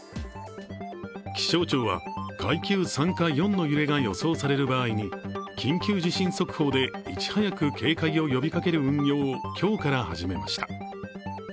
気象庁は階級３か４の揺れが予想される場合に緊急地震速報でいち早く警戒を呼びかける運用を今日から始めました。